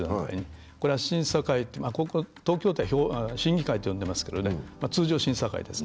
これは審査会、東京都は審議会と呼んでいますけれども通常、審査会です。